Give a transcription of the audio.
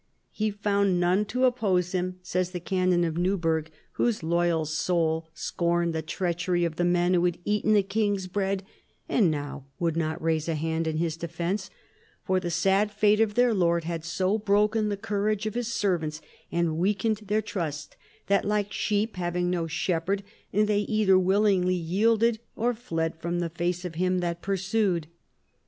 He found none to oppose him, says the canon of Newburgh, whose loyal soul scorned the treachery of the men who had eaten the king's bread and now would not raise a hand in his defence ; for the sad fate of their lord had so broken the courage of his servants and weakened their trust that, like sheep having no shepherd, they either willingly yielded or fled from the face of him that pursued.